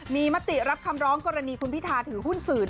มีมติรับคำร้องกรณีคุณพิธาถือหุ้นสื่อ